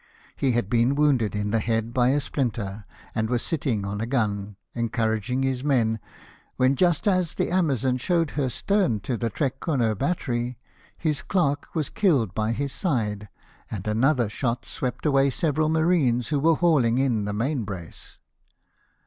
He had been wounded in the head by a splinter, and was sitting on a gun, encouraging his men, when, just as the Amazon showed her stern to the Trekroner battery, his clerk was killed by his side ; and another shot swept away several marines who were hauling in the main brace.